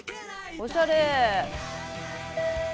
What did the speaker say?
おしゃれ。